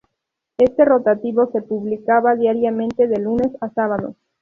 Este rotativo se publicaba diariamente de lunes a sábado.